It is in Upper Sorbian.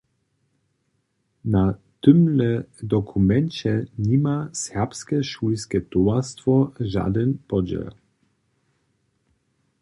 Na tymle dokumenće nima Serbske šulske towarstwo žadyn podźěl.